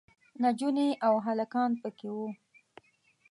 نجونې او هلکان پکې وو.